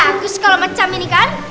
nah kan bagus kalo macam ini kan